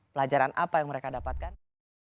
pelajaran apa yang mereka dapatkan